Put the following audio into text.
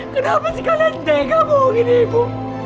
kenapa sih kalian tega bohong gini ibu